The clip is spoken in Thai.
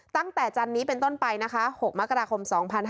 จันนี้เป็นต้นไปนะคะ๖มกราคม๒๕๕๙